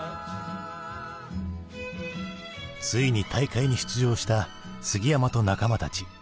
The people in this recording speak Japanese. ついに大会に出場した杉山と仲間たち。